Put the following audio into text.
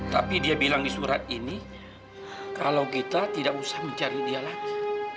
tapi dia bilang di surat ini kalau kita tidak usah mencari dia lagi